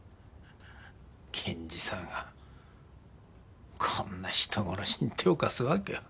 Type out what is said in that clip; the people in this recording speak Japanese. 検事さんがこんな人殺しに手を貸すわけが。